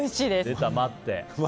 出た、「待って」。